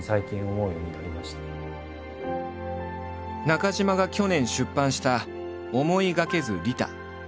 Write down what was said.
中島が去年出版した「思いがけず利他」。